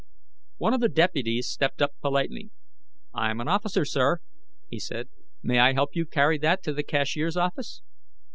One of the deputies stepped up politely. "I'm an officer, sir," he said. "May I help you carry that to the cashier's office?"